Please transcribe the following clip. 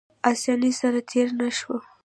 اسانۍ سره تېر نه شو.